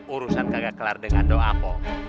urusan kagak kelar dengan do'a'po